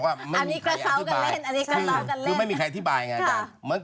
คือพิกัดก่อนนี้สิครับอาจารย์